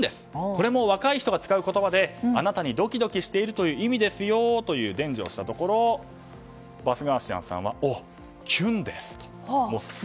これも若い人が使う言葉であなたにドキドキしているという意味ですよと伝授をしたところバスガーシアンさんはすごい。